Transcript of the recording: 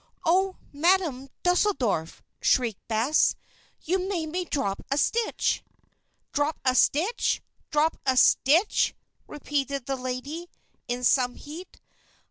"Oh, Madam Deuseldorf!" shrieked Bess. "You made me drop a stitch." "Drop a stitch? Drop a stitch?" repeated the lady, in some heat.